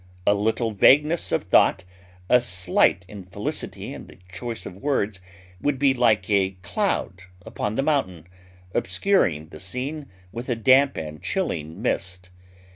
A little vagueness of thought, a slight infelicity in the choice of words would be like a cloud upon the mountain, obscuring the scene with a damp and chilling mist.